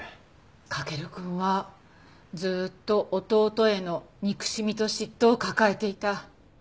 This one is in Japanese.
駆くんはずっと弟への憎しみと嫉妬を抱えていた。